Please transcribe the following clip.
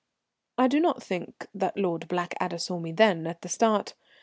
I do not think that Lord Blackadder saw me then, at the start.